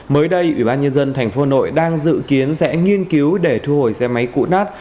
mới đây ủy ban nhân dân tp hcm đang dự kiến sẽ nghiên cứu để thu hồi xe máy cụ nát